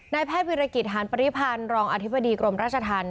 แพทย์วิรกิจหารปริพันธ์รองอธิบดีกรมราชธรรม